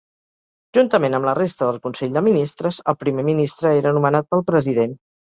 Juntament amb la resta del Consell de Ministres, el primer ministre era nomenat pel President.